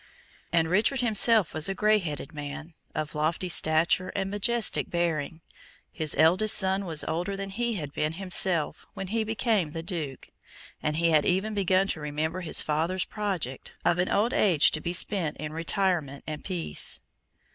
And Richard himself was a grey headed man, of lofty stature and majestic bearing. His eldest son was older than he had been himself when he became the little Duke, and he had even begun to remember his father's project, of an old age to be spent in retirement and peace.